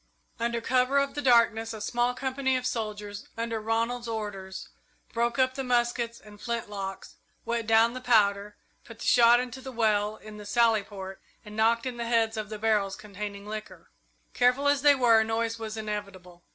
Under cover of the darkness a small company of soldiers, under Ronald's orders, broke up the muskets and flint locks, wet down the powder, put the shot into the well in the sally port, and knocked in the heads of the barrels containing liquor. Careful as they were, noise was inevitable.